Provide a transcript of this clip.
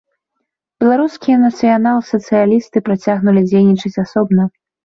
Беларускія нацыянал-сацыялісты працягнулі дзейнічаць асобна.